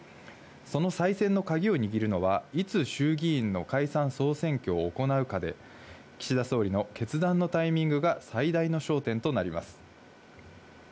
その再選の鍵を握るのは、いつ衆議院の解散・総選挙を行うかで、岸田総理の決断のタイミングが最大の焦点となります。